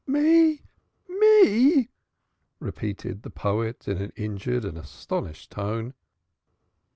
"Me? Me?" repeated the poet in an injured and astonished tone.